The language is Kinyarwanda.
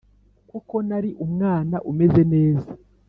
Koko nari umwana umeze neza,